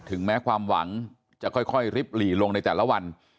ถึงแม้ความหวังจะค่อยริบหลีลงในแต่ละวัน